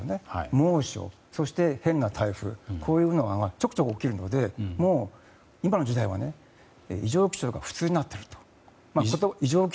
猛暑、そして変な台風こういうのがちょくちょく起こるのでもう今の時代は異常気象が起きるのが普通になっていると。